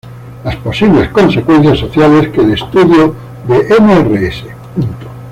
Las posibles consecuencias sociales que el estudio de Mrs.